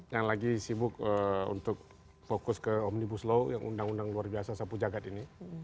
dibutuhkan ke omnibus law yang undang undang luar biasa sapu jagad ini